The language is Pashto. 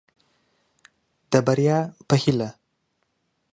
د بريا په هيله.